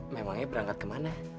memangnya berangkat kemana